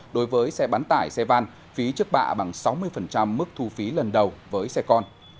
đối với xe bán tải xe van phí trước bạ bằng sáu mươi mức thu phí lần đầu với xe con